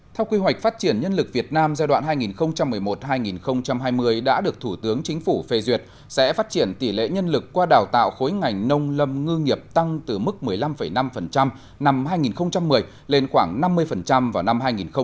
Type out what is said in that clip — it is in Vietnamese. theo quy hoạch phát triển nhân lực việt nam giai đoạn hai nghìn một mươi một hai nghìn hai mươi đã được thủ tướng chính phủ phê duyệt sẽ phát triển tỷ lệ nhân lực qua đào tạo khối ngành nông lâm ngư nghiệp tăng từ mức một mươi năm năm hai nghìn một mươi lên khoảng năm mươi vào năm hai nghìn hai mươi